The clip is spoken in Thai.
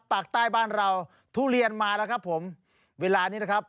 ปากใต้บ้านเราทุเรียนมาแล้วครับผมเวลานี้นะครับ